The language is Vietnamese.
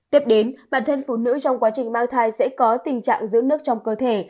tiếp đến bản thân phụ nữ trong quá trình mang thai sẽ có tình trạng giữ nước trong cơ thể